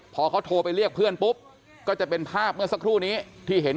พอเขาโทรไปเรียกเพื่อนปุ๊บก็จะเป็นภาพเมื่อสักครู่นี้ที่เห็น